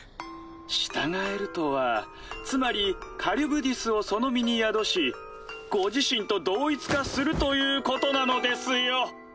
従えるとはつまりカリュブディスをその身に宿しご自身と同一化するということなのですよ！